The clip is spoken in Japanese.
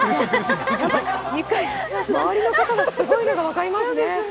周りの方がすごいのが分かりますね。